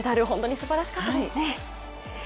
本当にすばらしかったですね。